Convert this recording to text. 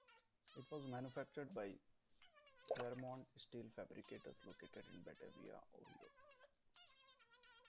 It was manufactured by Clermont Steel Fabricators located in Batavia, Ohio.